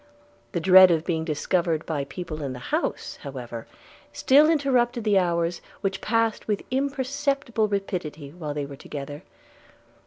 The dread of being discovered by people in the house, however, still interrupted the hours which passed with imperceptible rapidity while they were together.